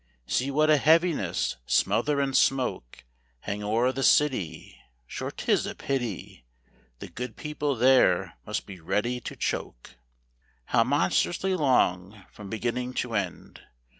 See what a heaviness, smother, and smoke, Hang o'er the city; Sure 'tis a pity, The good people there must be ready to choak. How monstrously long from beginning to end!